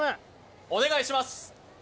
お願いします